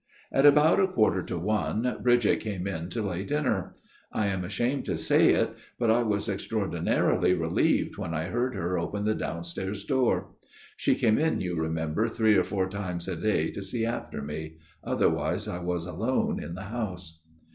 " At about a quarter to one, Bridget came in to lay dinner. ... I am ashamed to say it, but I 122 A MIRROR OF SHALOTT was extraordinarily relieved when I heard her open the downstairs door. (She came in, you remem ber, three or four times a day to see after me : otherwise I was alone in the house.)